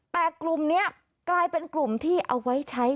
แต่กลุ่มนี้กลายเป็นกลุ่มที่เอาไว้ใช้